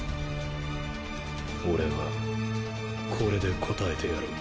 俺はこれで答えてやろう。